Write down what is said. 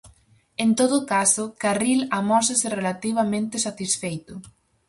En todo caso, Carril amósase relativamente satisfeito.